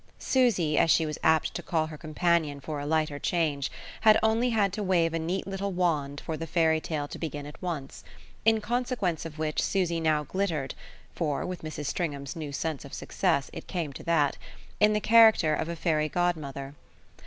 Susie, as she was apt to call her companion for a lighter change, had only had to wave a neat little wand for the fairy tale to begin at once; in consequence of which Susie now glittered for, with Mrs. Stringham's new sense of success, it came to that in the character of a fairy godmother.